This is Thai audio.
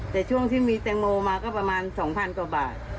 แต่ช่วงที่มีแตงโมมาก็ประมาณ๒๐๐กว่าบาท